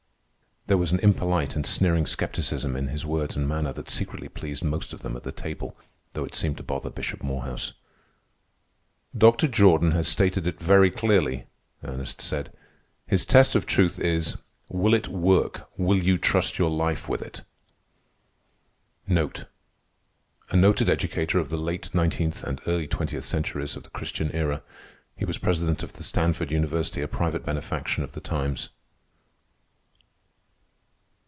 There was an impolite and sneering scepticism in his words and manner that secretly pleased most of them at the table, though it seemed to bother Bishop Morehouse. "Dr. Jordan has stated it very clearly," Ernest said. "His test of truth is: 'Will it work? Will you trust your life to it?'" A noted educator of the late nineteenth and early twentieth centuries of the Christian Era. He was president of the Stanford University, a private benefaction of the times.